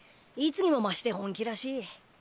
いつにも増して本気らしい。